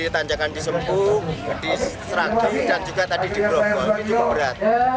tanjakan di sempuk di seragim dan juga tadi di blokwon